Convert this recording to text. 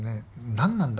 「何なんだ？